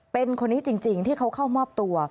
เป็นคนนี้จริงที่เขาเข้ามอบตัว